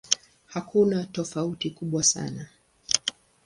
Hakuna tofauti kubwa sana.